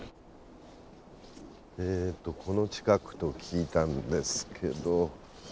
えっとこの近くと聞いたんですけど。